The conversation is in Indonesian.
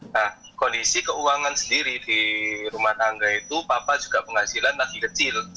nah kondisi keuangan sendiri di rumah tangga itu papa juga penghasilan lagi kecil